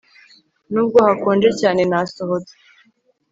Nubwo hakonje cyane nasohotse